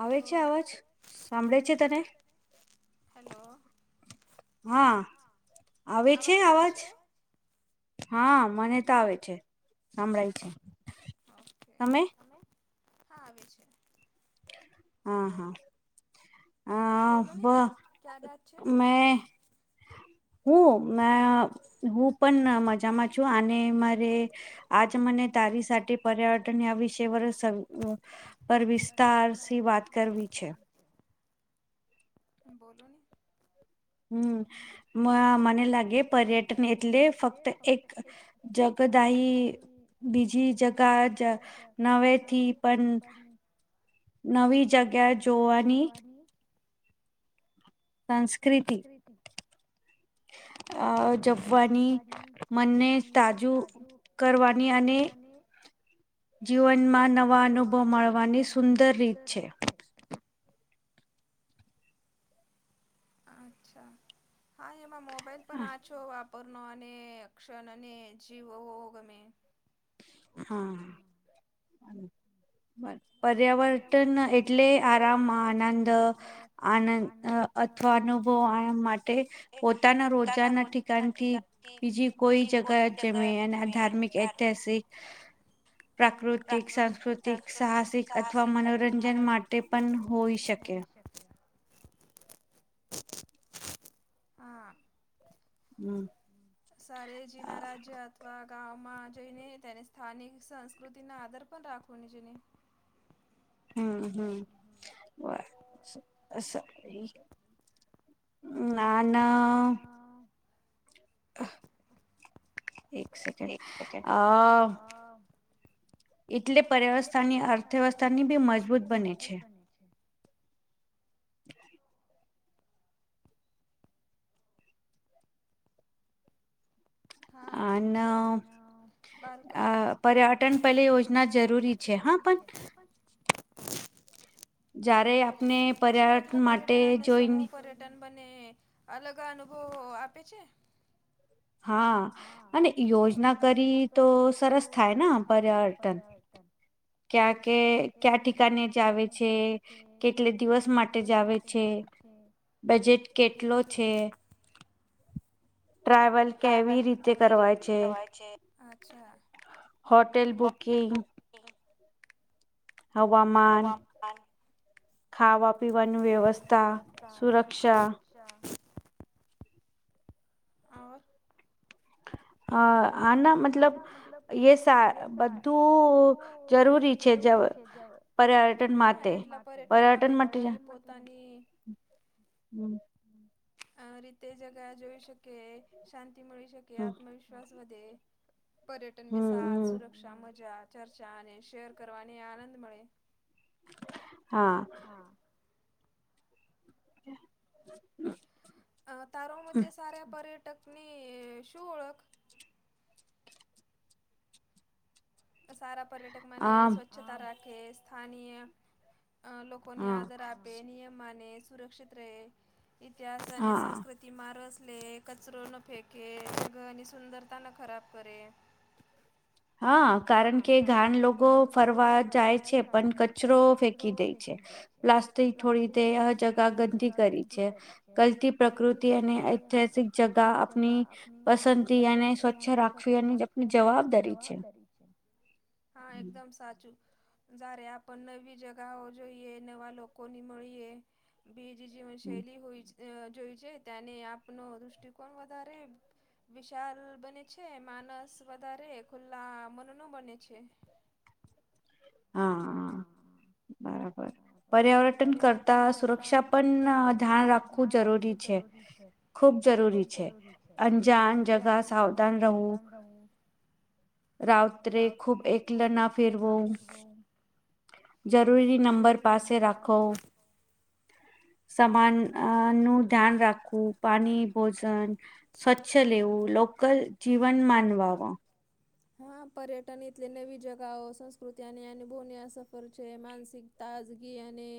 આવે છે અવાજ સાંભળે છે, તને હા, આવે છે, અવાજ હા, મને તો આવે છે, સાંભળાય છે. ઓકે અમે, હા આવી છે. હા, હા. બોલો ન ક્યા બે આ છે. મે હું, મૈં હું પણ મજામાં છું અને મારે આજ મને તારી સાથે પર્યવર્ટન આ વિષય વ સ પર વિસ્તાર સી વાત કરવી છે. હ, બોલો ને હમ મને લાગે પર્યટન એટલે ફક્ત એક જગદાહી બીજી જગા જ નવે થી. પણ, નવી જગ્યા જોવાની સંસ્કૃતિ અ જવવાની મનને તાજું કરવાની અને જીવનમાં નવા અનુભવ મળવાની સુંદર રીત છે. અચ્છા, હા એમાં મોબાઈલ પણ આં છો, હો આપ અ પૂર્ણને કક્ષષણને જીવ હોગમે હા. પર્યાવર્તન એટલે આરામ આનંદ આનંદ અથવા, અનુભવ માટે પોતાના રોજાના ઠિકણથી. બીજી કોઈ જગા ધાર્મિક ઐતિહાસિક પ્રાકૃતિક સાંસ્કૃતિક સાહસિક અથવા મનોરંજન માટે પન હોઈ શકે આ હમ. સારેજીના રાજ્ય અથવા ગામમાં જઈને તેને સ્થાનિક સંસ્કૃતિના રાખુંને જોની હમ હમ નાના એક સેકન્ડ અ એટલે પર્યાવસ્થાની અર્થવ્યવસ્થાની બી મજબૂત બને છે હા [inaudible] [inaudible] યોજના જરૂરી છે [inaudible] [inaudible] [inaudible] [unintelligible] [unintelligible] [unintelligible] અલગ અનુભવ આપે છે હા અને યોજના કરી તો સરસ થાય ને [unintelligible] [unintelligible] [unintelligible] કે બજેટ કેટલો છે ટ્રાવેલ [inaudible] [inaudible] [inaudible] [inaudible] હવામાન ખાવા પીવાની વ્યવસ્થા સુરક્ષા [inaudible] [inaudible] [unintelligible] [unintelligible] આ હ આના મતલબ એ સા બધું જરૂરી છે જ [inaudible] વ્યક્તિ પોતાની [inaudible] હમ [unintelligible] આ રીતે જગા જોઈ શકે શાંતિ મળી શકે આત્મ વિશ્વાસ વધે પર્યટન [unintelligible] સુરક્ષા [unintelligible] [unintelligible] ચર્ચા અને શેર કરવાની આનંદ મળે હા હા [inaudible] [inaudible] અ તારો મતે સારો પર્યટક ની શું ઓળખ સારા પર્યટક માને સ્વચ્છતા રાખે સ્થાનીય લોકોને આદર આપે નિયમ માને સુરક્ષિત રેય ઇતિહાસ અને સંસ્કૃતિ તી મારસ લે કચરો ન ફેંકે [unintelligible] સુંદરતા ન ખરાબ કરે હા કારણ કે ઘાન લોકો ફરવા જાય છે પણ કચરો ફેંકી દે છે [unintelligible] [unintelligible] ગલતી પ્રકૃતિ અને [unintelligible] જગા આપની પસંદી અને સ્વચ્છ રાખવી એ આપની જવાબદારી છે હા એકદમ સાચું જ્યારે આપને નવી જગાઓ જોઈએ નવા લોકો ની મળીએ બીજ જીવન શૈલી હોય અ જોઈ છે ત્યાં ને આપનુ દ્રષ્ટિકોણ વધારે વિશાલ બને છે માનસ વધારે ખુલ્લા મનનો બને છે હા હા પર્યાવટન કરતા સુરક્ષા પન ધ્યાન રાખવું જરૂરી છે ખૂબ જરૂરી છે અંજાન જગા સાવધાન રહું. રાત્રે ખુબ એકલા ન ફેરવો. જરૂરી નંબર પાસે રાખો. સમાન અ નું ધ્યાન રાખવું. પાણી ભોજન સ્વચ્છ લેવું લોકલ જીવન માનવાવામાં હા પર્યટન ને એટલે નવી જગાઓ સંસ્કૃતિ અને અને બોન આ સફર છે માનસિક તાજગી અને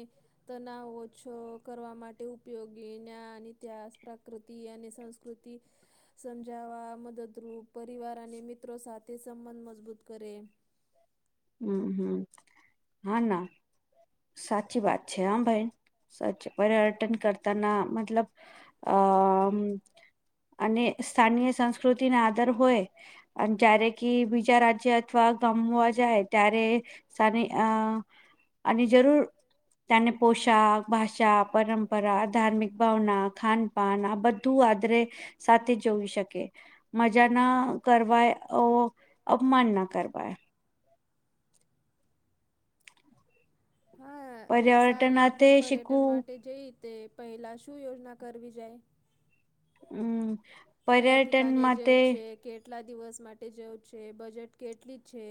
તનાવ ઓ છો કરવા માટે ઉપયોગી જ્ઞાન ઇતિહાસ પ્રાકૃતિ અને સં કૃતિ સમજાવવા મદદરૂપ પરિવાર અને મિત્રો સાથે તે સંબંધ મજબૂત કરે હમ હમ હા ના સાચી વાત છે હા ભાઈ સાચી પર્યટન કરતા ના મતલબ અ અને સ્થાનીય સંસ્કૃતિ ના આદર હોય અને જ્યારે કે બીજા રાજ્ય અથવા ગમવા જાય ત્યારે સાને અ અને જરૂર ત્યાંનો પોશાક ભાષા પરંપરા ધાર્મિક ભાવના ખાન પાન આ બધું આદરે સાથે જોવી શકે મજા ના કરવાય અપમાન ના કરવાય હા સારે આપણ પર્યટન માટે જઈી તે પહેલાં શું યોજના કરવી જાય હમ્મ કયા ઠિકાને જેવ છે કે કેટલા દિવસ માટે જવું છે બજેટ કેટલી છે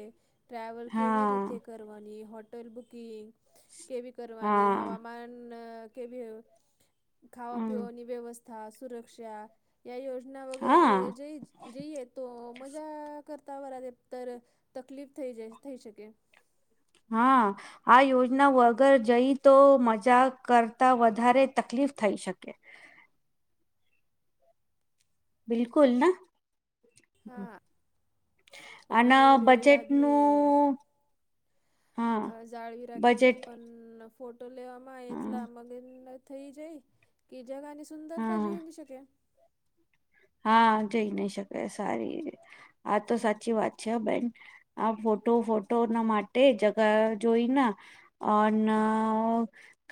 ટ્રાવેલ કેવી રીતે કર વાની હોટલ બુંકીગ કેવી કરવાની હવામાન કે ખાવા પીવાની વ્યવસ્થા સુરક્ષાયો ના વગર જ જઈએ તો મજા કરતા વાળ તર તકલીફ થઈ જ થઈ શકે હા આ યોજના વગર જઈ તો કરતા વધારે તકલીફ થઈ શકે. બિલકુલ ના અન બજેટ નું અ જાળવી રાખે છે પણ ફોટો લેવામાં આવે એટલા મગન થઈ જાય કે જગાની સુંદરતા જીવી નહી શકે હા જઈ નહી શકે સારી આ તો સાચી વાત છે હ બેન આ ફોટો ફોટો ના માટે જગા જોઈને અન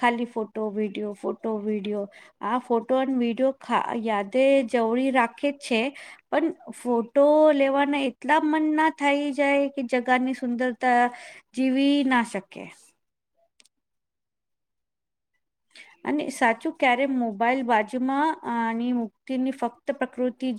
ખાલી ફોટો વિડીયો ફોટો વિડીયો આ ફોટો અને વિડીયો યાદે જવરી રાખે જ છે પણ ફોટો લેવાના એટલા મન ના થઈ જાય કે જગા ની સુંદરતા જીવી ના શકે અને સાચું ક્યારે મોબાઈલ બાજુમાંની મુક્તિની ફક્ત પ્રકૃતિ જો